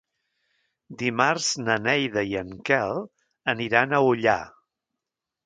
Dimarts na Neida i en Quel aniran a Ullà.